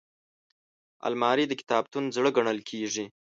الماري د کتابتون زړه ګڼل کېږي